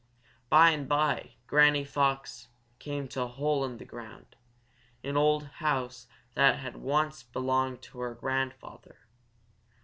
By and by Granny Fox came to a hole in the ground, an old house that had once belonged to her grandfather.